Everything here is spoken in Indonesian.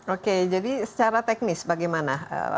oke jadi secara teknis bagaimana